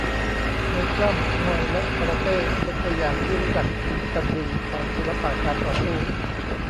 มวยปล้ำ มวยและคาราเต้เป็นตัวอย่างที่รู้จักกันดีของศิลปะการต่อสู้